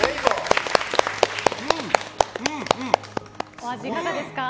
お味、いかがですか。